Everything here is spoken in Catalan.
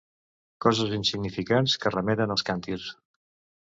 Coses insignificants que remeten als càntirs.